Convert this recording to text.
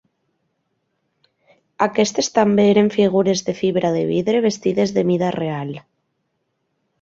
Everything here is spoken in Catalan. Aquestes també eren figures de fibra de vidre vestides de mida real.